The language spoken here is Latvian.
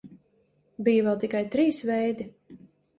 Bija vēl tikai trīs veidi.